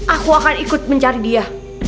aku akan ikut mencari dia